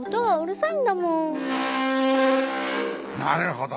なるほど。